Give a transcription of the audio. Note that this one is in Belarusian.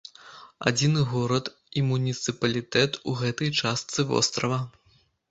Адзіны горад і муніцыпалітэт у гэтай частцы вострава.